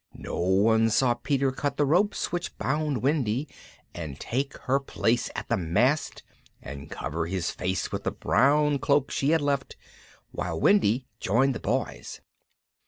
No one saw Peter cut the ropes which bound Wendy, and take her place at the mast, and cover his face with the brown cloak she had left, while Wendy joined the Boys.